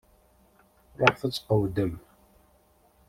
Ruḥet ad tqewwdem!